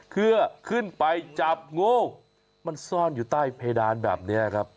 เพื่อขึ้นไปจับงูมันซ่อนอยู่ใต้เพดานแบบนี้ครับ